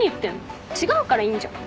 違うからいいんじゃん。